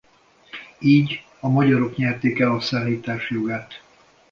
Így a magyarok nyerték el a szállítás jogát.